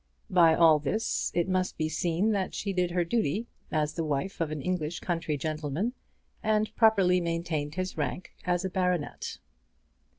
By all this it must be seen that she did her duty as the wife of an English country gentleman, and properly maintained his rank as a baronet.